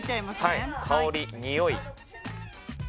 「香」におい。